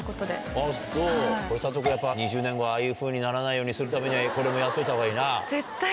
あっそう佐藤君やっぱ２０年後ああいうふうにならないようにするためにはこれもやっといたほうがいいな。